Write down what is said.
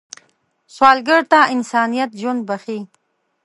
سوالګر ته انسانیت ژوند بښي